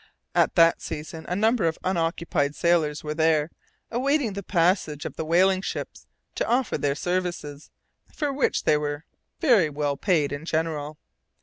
At that season a number of unoccupied sailors were there, awaiting the passing of the whaling ships to offer their services, for which they were very well paid in general.